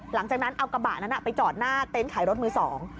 หลังจากนั้นเอากระบะนั้นไปจอดหน้าเต็นต์ขายรถมือสอง